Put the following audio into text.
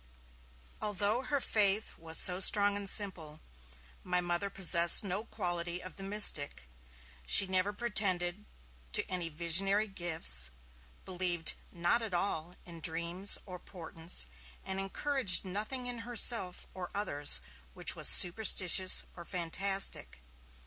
Although her faith was so strong and simple, my Mother possessed no quality of the mystic. She never pretended to any visionary gifts, believed not at all in dreams or portents, and encouraged nothing in herself or others which was superstitious or fantastic.